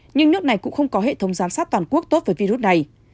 nói chung nước này cũng không có hệ thống giám sát toàn quốc tốt với virus này